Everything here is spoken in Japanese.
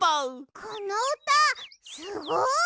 このうたすごい！